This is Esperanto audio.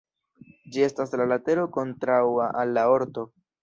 Ĝi estas la latero kontraŭa al la orto.